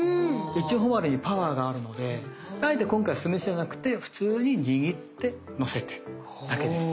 いちほまれにパワーがあるのであえて今回酢飯じゃなくて普通に握ってのせてだけです。